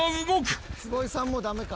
坪井さんも駄目か。